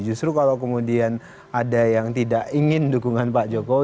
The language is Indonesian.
justru kalau kemudian ada yang tidak ingin dukungan pak jokowi